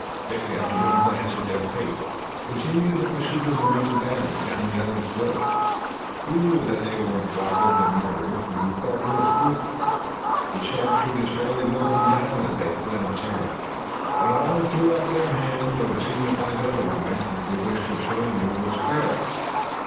Dick, after one glance at their fate, continued the pursuit of the main band down the other slope. He knew that they were robbers and murderers, and he felt little scruple. His sharpshooters fairly mowed them down as they fled in terror, but all who threw up their hands or signified otherwise that they wished to surrender were spared.